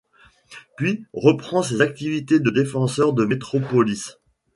Puis reprend ses activités de défenseur de Métropolis.